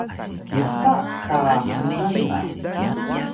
Msa ka hnang na